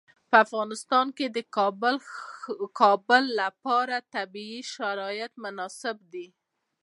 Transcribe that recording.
په افغانستان کې د کابل لپاره طبیعي شرایط مناسب دي.